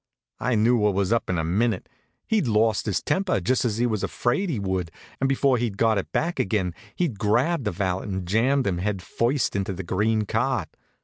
I knew what was up in a minute. He'd lost his temper, just as he was afraid he would, and before he'd got it back again he'd grabbed the valet and jammed him head first into the green cart.